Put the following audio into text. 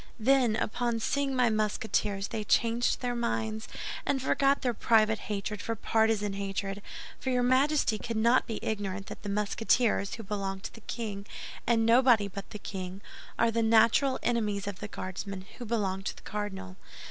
"Then, upon seeing my Musketeers they changed their minds, and forgot their private hatred for partisan hatred; for your Majesty cannot be ignorant that the Musketeers, who belong to the king and nobody but the king, are the natural enemies of the Guardsmen, who belong to the cardinal."